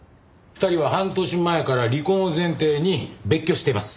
２人は半年前から離婚を前提に別居しています。